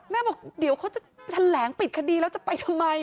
บอกเดี๋ยวเขาจะแถลงปิดคดีแล้วจะไปทำไม